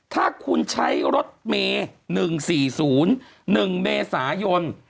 ถ้าคุณใช้รถเมย์๑๔๐๑เมษายน